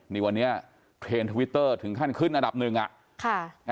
นี่วันนี้เทรนด์ทวิตเตอร์ถึงขั้นขึ้นอันดับหนึ่งอ่ะค่ะ